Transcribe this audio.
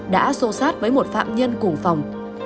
đã xô sát với một phạm nhân cùng phòng